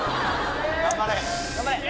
頑張れ！